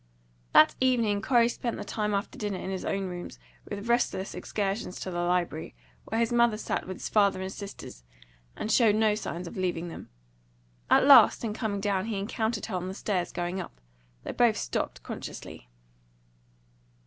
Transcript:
That evening Corey spent the time after dinner in his own room, with restless excursions to the library, where his mother sat with his father and sisters, and showed no signs of leaving them. At last, in coming down, he encountered her on the stairs, going up. They both stopped consciously.